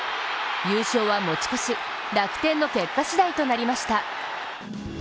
優勝は持ち越し、楽天の結果しだいとなりました。